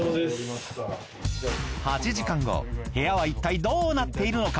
８時間後部屋はいったいどうなっているのか。